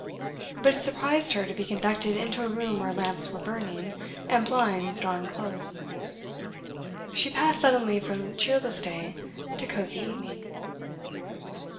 But it surprised her to be conducted into a room where lamps were burning, and blinds drawn close; she passed suddenly from cheerless day to cosy evening.